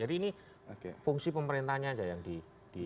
jadi ini fungsi pemerintahnya aja yang diindahkan